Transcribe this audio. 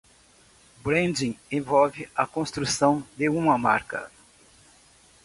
Branding envolve a construção de uma marca.